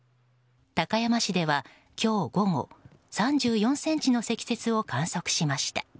高山市では今日午後３４ｃｍの積雪を観測しました。